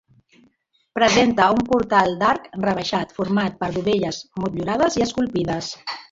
Presenta un portal d'arc rebaixat format per dovelles motllurades i esculpides.